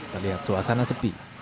terlihat suasana sepi